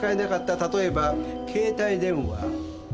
例えば携帯電話。